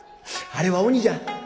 あれは鬼じゃ。